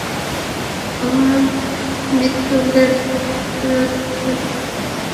আর মিত্তালের টাকাও ফেরত দিতে পারব না।